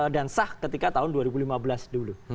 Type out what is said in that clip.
dan sah ketika tahun dua ribu lima belas dulu